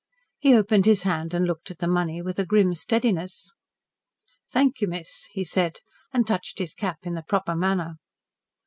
He opened his hand and looked at the money with a grim steadiness. "Thank you, miss," he said, and touched his cap in the proper manner.